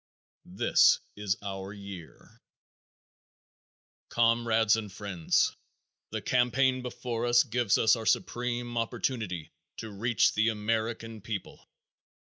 This Is Our Year. Comrades and friends, the campaign before us gives us our supreme opportunity to reach the American people.